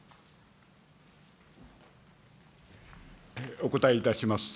お答えいたします。